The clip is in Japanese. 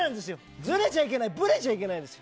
ずれちゃいけないんです。